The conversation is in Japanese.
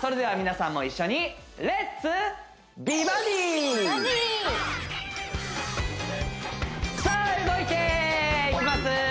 それでは皆さんも一緒にさあ動いていきます